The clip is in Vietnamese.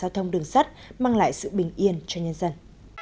hệ thống đường sắt mang lại sự bình yên cho nhân dân